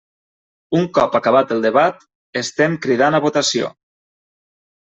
Un cop acabat el debat, estem cridant a votació.